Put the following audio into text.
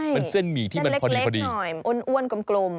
เป็นเส้นหมี่ที่มันพอดีเส้นเล็กหน่อยอ้วนกลม